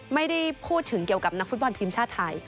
ไม่ได้พูดถึงเกี่ยวกับนักฟุตบอลทีมชาติไทย